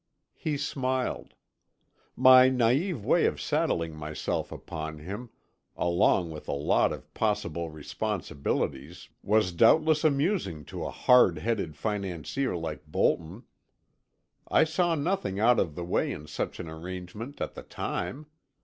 He smiled. My naive way of saddling myself upon him, along with a lot of possible responsibilities was doubtless amusing to a hard headed financier like Bolton. I saw nothing out of the way in such an arrangement at the time.